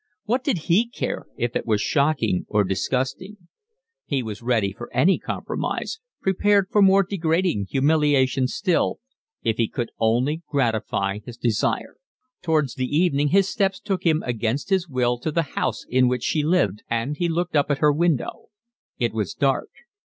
What did he care if it was shocking or disgusting? He was ready for any compromise, prepared for more degrading humiliations still, if he could only gratify his desire. Towards the evening his steps took him against his will to the house in which she lived, and he looked up at her window. It was dark.